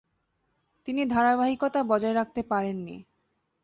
তিনি ধারাবাহিতা বজায় রাখতে পারেননি।